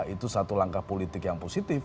itu satu langkah politik yang positif